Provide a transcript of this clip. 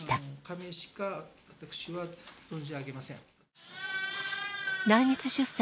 仮名しか私は存じ上げません。